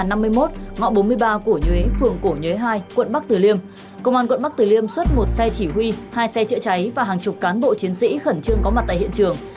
ngõ bốn mươi ba cổ nhuế phường cổ nhới hai quận bắc tử liêm công an quận bắc tử liêm xuất một xe chỉ huy hai xe chữa cháy và hàng chục cán bộ chiến sĩ khẩn trương có mặt tại hiện trường